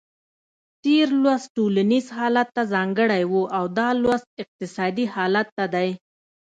تېر لوست ټولنیز حالت ته ځانګړی و او دا لوست اقتصادي حالت ته دی.